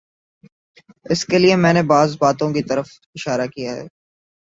اس کے لیے میں نے بعض باتوں کی طرف اشارہ کیا ہے۔